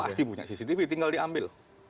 pasti punya cctv tinggal diambil